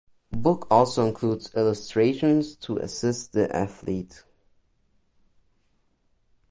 Book also includes illustrations to assist the athlete.